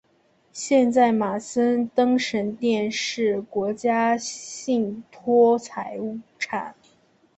现在马森登神殿是国家信托财产。